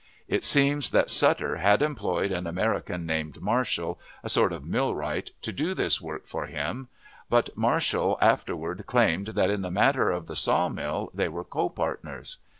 It seems that Sutter had employed an American named Marshall, a sort of millwright, to do this work for him, but Marshall afterward claimed that in the matter of the saw mill they were copartners.